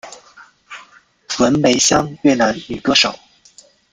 文梅香越南女歌手。